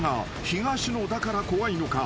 ［東野だから怖いのか？